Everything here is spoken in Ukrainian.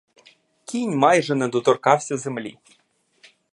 Кінь майже не доторкався землі.